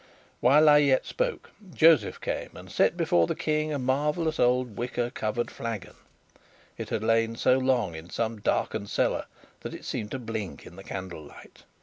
While I yet spoke, Josef came and set before the King a marvellous old wicker covered flagon. It had lain so long in some darkened cellar that it seemed to blink in the candlelight.